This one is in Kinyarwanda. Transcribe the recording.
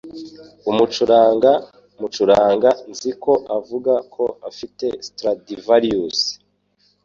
Umucuranga mucuranga nzi ko avuga ko afite Stradivarius.